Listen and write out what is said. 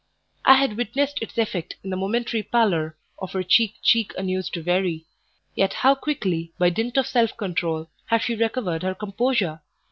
I had witnessed its effect in the momentary pallor of her cheek cheek unused to vary; yet how quickly, by dint of self control, had she recovered her composure!